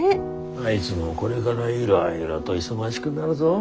あいづもこれがらいろいろと忙しくなるぞ。